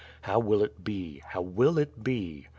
How will it be — how will it be?